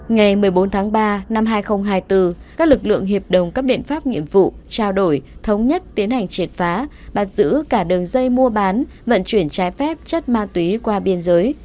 ngày một mươi bốn tháng ba năm hai nghìn hai mươi bốn các lực lượng hiệp đồng các biện pháp nhiệm vụ trao đổi thống nhất tiến hành triệt phá bắt giữ cả đường dây mua bán vận chuyển trái phép chất ma túy qua biên giới